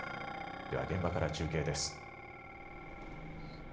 では現場から中継です。